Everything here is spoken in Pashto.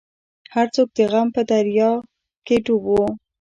هر څوک د غم په دریا کې ډوب وو.